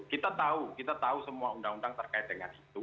kita tahu kita tahu semua undang undang terkait dengan itu